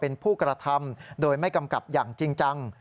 เป็นผู้กระทำโดยไม่กำกับอย่างจริงจัง